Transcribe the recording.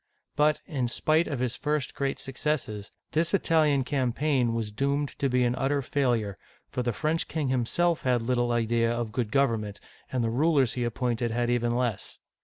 But, in spite of his first great suc cesses, this Italian campaign was doomed to be an utter failure, for the French king himself had little idea of good government, and the rulers he appointed had even less.